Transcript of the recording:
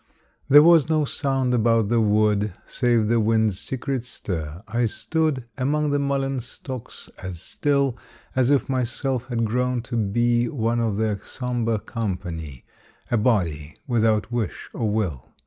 There was no sound about the wood Save the wind's secret stir. I stood Among the mullein stalks as still As if myself had grown to be One of their sombre company, A body without wish or will.